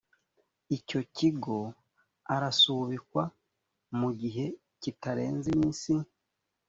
icyo kigo arasubikwa mu gihe kitarenze iminsi